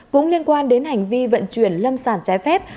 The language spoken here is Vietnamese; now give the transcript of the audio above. cũng liên quan đến hành vi vận chuyển lâm sản trái phép